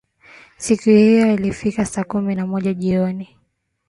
Siku hiyo alifika saa kumi na moja jioni